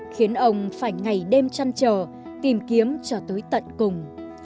khiến ông phải ngày đêm chăn trở tìm kiếm cho tới tận cùng